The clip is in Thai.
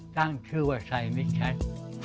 กล้างชื่อว่าไทยมิตรแชท